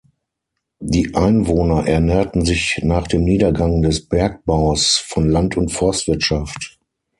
Die Einwohner ernährten sich nach dem Niedergang des Bergbaus von Land- und Forstwirtschaft.